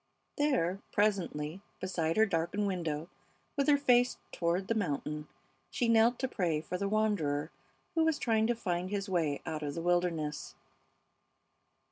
There, presently, beside her darkened window, with her face toward the mountain, she knelt to pray for the wanderer who was trying to find his way out of the wilderness.